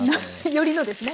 寄りのですね。